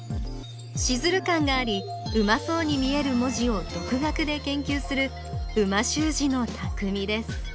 シズル感がありうまそうに見える文字を独学で研究する美味しゅう字のたくみです